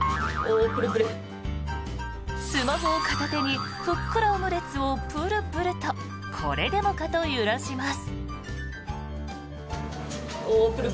スマホを片手にふっくらオムレツをプルプルとこれでもかと揺らします。